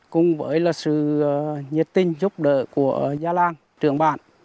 cùng với sự nhiệt tình giúp đỡ của gia làng trưởng bản